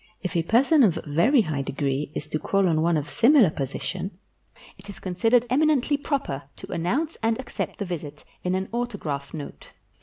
If a person of very high degree is to call on one of similar position, it is consid ered eminently proper to announce and accept the visit in an autograph note.